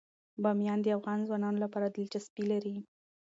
بامیان د افغان ځوانانو لپاره دلچسپي لري.